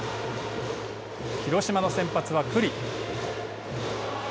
広島の先発は九里。